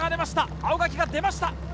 青柿が出ました！